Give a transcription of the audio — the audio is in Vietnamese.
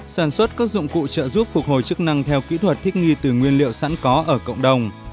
sản xuất các dụng cụ trợ giúp phục hồi chức năng theo kỹ thuật thích nghi từ nguyên liệu sẵn có ở cộng đồng